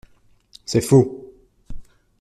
C’est faux.